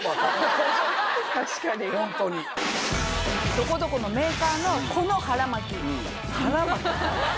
確かにホントにどこどこのメーカーのこの腹巻き腹巻き？